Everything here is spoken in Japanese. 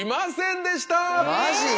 マジ？